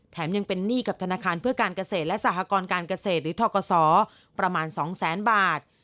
ยังเป็นหนี้กับธนาคารเพื่อการเกษตรและสหกรการเกษตรหรือทกศประมาณ๒แสนบาท